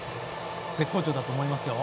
絶好調だと思いますよ。